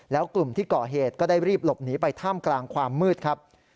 แล้วกลุ่มที่ก่อเหตุก็ได้รีบหลบหนีไปท่ามกลางความมืดครับ